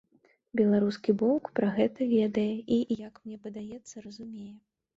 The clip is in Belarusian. Беларускі бок пра гэта ведае і, як мне падаецца, разумее.